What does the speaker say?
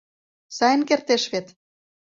Сайын кертеш вет?